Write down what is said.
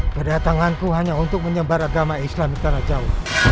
kedatanganku hanya untuk menyebar agama islami tanah jawa